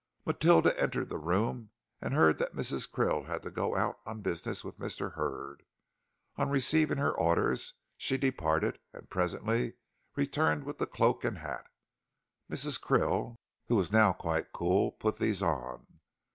Matilda entered the room and heard that Mrs. Krill had to go out on business with Mr. Hurd. On receiving her orders she departed, and presently returned with the cloak and hat. Mrs. Krill, who was now quite cool, put these on.